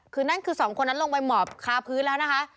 คือนั่นคือสองคนนั้นลงไปหมอบคาพื้นแล้วนะคะ